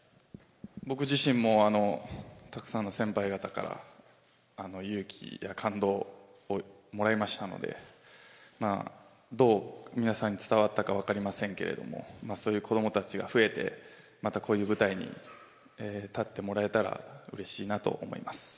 僕自身もたくさんの先輩方から勇気や感動をもらいましたので、どう皆さんに伝わったか分かりませんけれども、そういう子どもたちが増えて、またこういう舞台に立ってもらえたらうれしいなと思います。